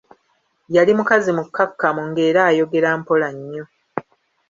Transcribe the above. Yali mukazi mukkakkamu ng'era ayogera mpla nnyo.